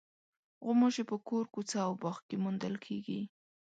غوماشې په کور، کوڅه او باغ کې موندل کېږي.